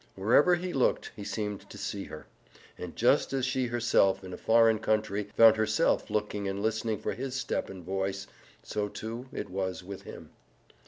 Wherever he looked he seemed to see her, and just as she herself in a foreign country found herself looking and listening for his step and voice, so, too, it was with him.